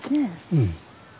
うん。